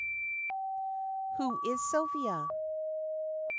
WHO IS SILVIA?